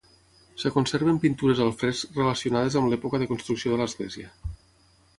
Es conserven pintures al fresc relacionades amb l'època de construcció de l'església.